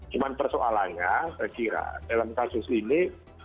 cuma persoalannya saya kira dalam kasus ini